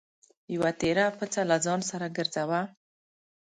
یوه تېره پڅه له ځان سره ګرځوه.